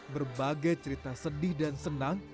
berbagai cerita sedih dan senang